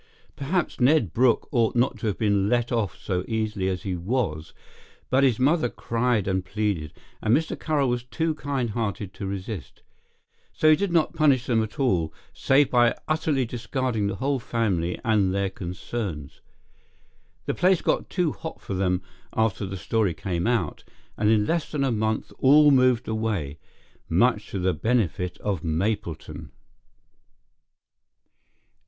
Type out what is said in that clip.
Perhaps Ned Brooke ought not to have been let off so easily as he was, but his mother cried and pleaded, and Mr. Carroll was too kind hearted to resist. So he did not punish them at all, save by utterly discarding the whole family and their concerns. The place got too hot for them after the story came out, and in less than a month all moved away—much to the benefit of Mapleton.